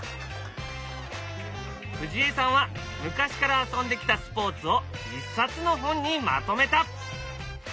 藤江さんは昔から遊んできたスポーツを一冊の本にまとめた。